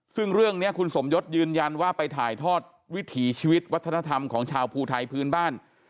ซึ่งเรื่องนี้คุณสมยศยืนยันว่าไปถ่ายทอดวิถีชีวิตวัฒนธรรมของชาวภูไทยพื้นบ้าน